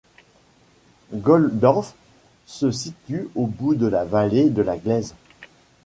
Golmsdorf se situe au bout de la vallée de la Gleise.